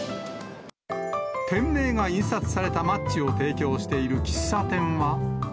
店名が印刷されたマッチを提供している喫茶店は。